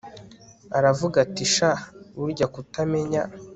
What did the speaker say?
aravuga ati sha burya kutamenya